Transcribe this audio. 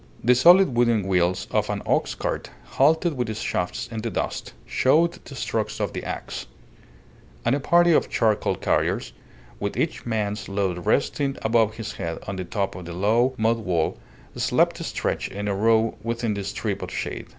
The solid wooden wheels of an ox cart, halted with its shafts in the dust, showed the strokes of the axe; and a party of charcoal carriers, with each man's load resting above his head on the top of the low mud wall, slept stretched in a row within the strip of shade.